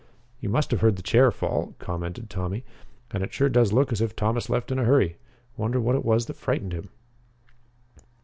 "You must have heard the chair fall," commented Tommy, "and it sure does look as if Thomas left in a hurry. Wonder what it was that frightened him?"